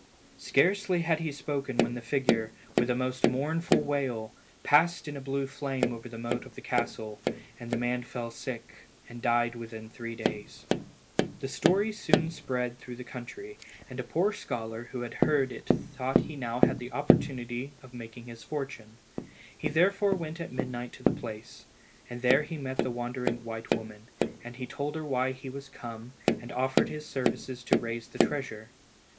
Scarcely had he spoken when the figure, with a most mournful wail, passed in a blue flame over the moat of the castle, and the man fell sick, and died within three days. The story soon spread through the country, and a poor scholar who heard it thought he had now an opportunity of making his fortune. He therefore went at midnight to the place, and there he met with the wandering white woman, and he told her why he was come, and offered his services to raise the treasure.